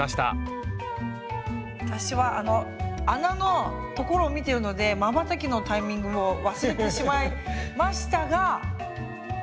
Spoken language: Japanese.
私はあの穴のところを見てるのでまばたきのタイミングを忘れてしまいましたが上手に出来ました。